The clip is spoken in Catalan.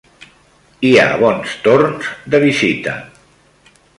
Hi ha bons torns de visita.